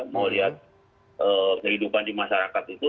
mau lihat kehidupan di masyarakat itu